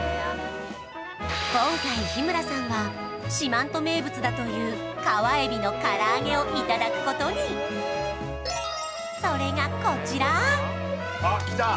今回日村さんは四万十名物だという川エビの唐揚げをいただくことにあっきた